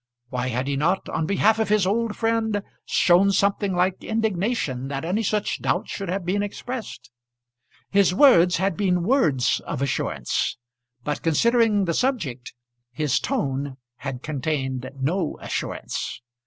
Why had he not, on behalf of his old friend, shown something like indignation that any such doubt should have been expressed? His words had been words of assurance; but, considering the subject, his tone had contained no assurance.